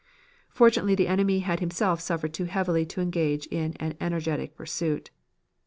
"Fortunately the enemy had himself suffered too heavily to engage in an energetic pursuit.